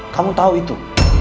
kamu tahu itu